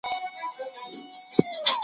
پر مخ لاسونه په دوعا مات کړي